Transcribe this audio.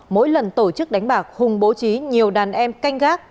mỗi lần tổ chức đánh bạc hùng bố trí nhiều đàn em canh gác